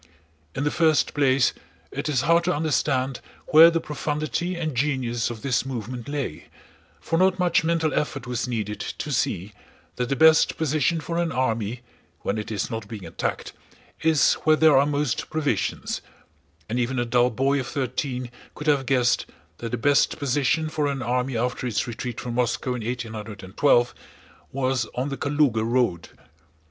In the first place it is hard to understand where the profundity and genius of this movement lay, for not much mental effort was needed to see that the best position for an army when it is not being attacked is where there are most provisions; and even a dull boy of thirteen could have guessed that the best position for an army after its retreat from Moscow in 1812 was on the Kalúga road.